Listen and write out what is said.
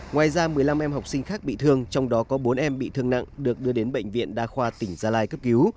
ngoài ra một mươi năm em học sinh khác bị thương trong đó có bốn em bị thương nặng được đưa đến bệnh viện đa khoa tỉnh gia lai cấp cứu